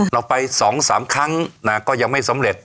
เราไป๒๓ครั้งก็ยังไม่สำเร็จ